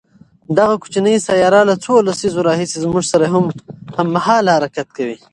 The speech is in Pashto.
دغه کوچنۍ سیاره له څو لسیزو راهیسې زموږ سره هممهاله حرکت کوي.